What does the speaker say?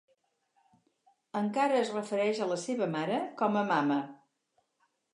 Encara es refereix a la seva mare com a "mama".